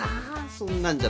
そんなんじゃ